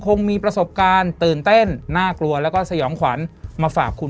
คงมีประสบการณ์ตื่นเต้นน่ากลัวแล้วก็สยองขวัญมาฝากคุณ